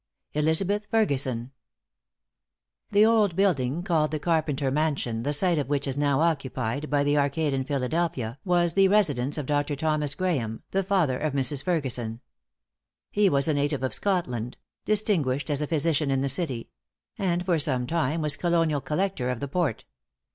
ELIZABETH FERGUSON. [Illustration: 0248] |The old building called the Carpenter Mansion, the site of which is now occupied by the Arcade in Philadelphia, was the residence of Doctor Thomas Graeme, the father of Mrs. Ferguson. He was a native of Scotland; distinguished as a physician in the city; and for some time was colonial collector of the port.